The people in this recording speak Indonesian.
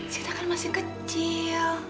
sita kan masih kecil